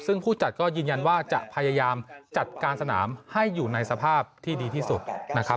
ซึ่งผู้จัดก็ยืนยันว่าจะพยายามจัดการสนามให้อยู่ในสภาพที่ดีที่สุดนะครับ